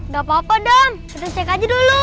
gak apa apa dong kita cek aja dulu